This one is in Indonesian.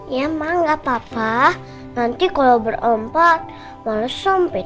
ya emang gak apa apa nanti kalau berompat malah sompet